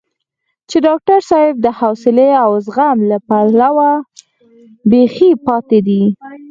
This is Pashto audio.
چې ډاکټر صاحب د حوصلې او زغم له پلوه بېخي پاتې دی.